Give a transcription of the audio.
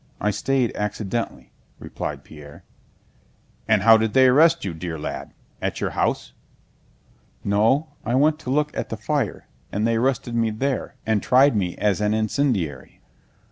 I stayed accidentally," replied Pierre. "And how did they arrest you, dear lad? At your house?" "No, I went to look at the fire, and they arrested me there, and tried me as an incendiary."